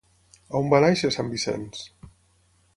On va néixer Sant Vicenç?